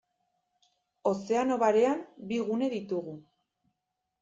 Ozeano Barean bi gune ditugu.